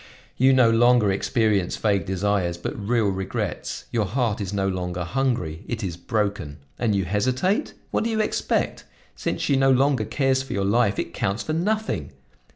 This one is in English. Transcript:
You no longer experience vague desires, but real regrets; your heart is no longer hungry, it is broken! And you hesitate? What do you expect? Since she no longer cares for your life, it counts for nothing!